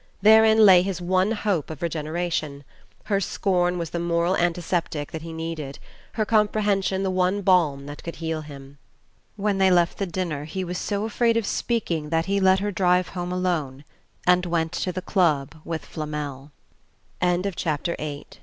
Therein lay his one hope of regeneration; her scorn was the moral antiseptic that he needed, her comprehension the one balm that could heal him.... When they left the dinner he was so afraid of speaking that he let her drive home alone, and went to the club with Flamel. IX HE rose nex